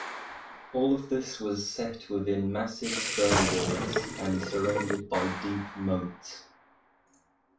All of this was set within massive stone walls and surrounded by deep moats.